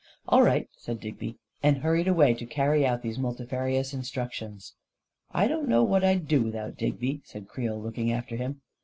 "All right," said Digby, and hurried away to carry out these multifarious instructions. " I don't know what I'd do without Digby," said Creel, looking after him.